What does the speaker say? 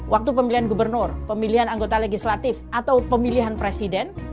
waktu pemilihan gubernur pemilihan anggota legislatif atau pemilihan presiden